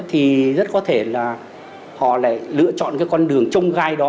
thì rất có thể là họ lại lựa chọn cái con đường trông gai đó